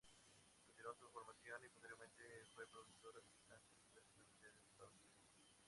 Continuó su formación y posteriormente fue profesora visitante en diversas universidades de Estados Unidos.